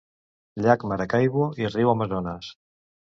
Llac Maracaibo i riu Amazones.